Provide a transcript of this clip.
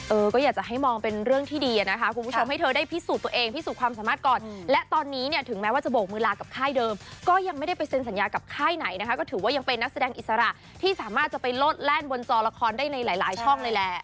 เออก็อยากจะให้มองเป็นเรื่องที่ดีนะคะคุณผู้ชมให้เธอได้พิสูจน์ตัวเองพิสูจน์ความสามารถก่อนและตอนนี้เนี่ยถึงแม้ว่าจะโบกมือลากับค่ายเดิมก็ยังไม่ได้ไปเซ็นสัญญากับค่ายไหนนะคะก็ถือว่ายังเป็นนักแสดงอิสระที่สามารถจะไปโลดแล่นบนจอละครได้ในหลายช่องเลยแหละ